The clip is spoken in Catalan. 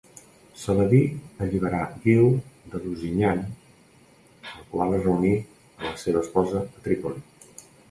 Saladí alliberà Guiu de Lusignan, el qual es reuní amb la seva esposa a Trípoli.